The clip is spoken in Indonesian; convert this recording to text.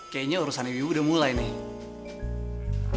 kayaknya urusan ibu ibu udah mulai nih